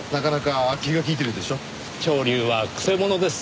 潮流はくせ者です。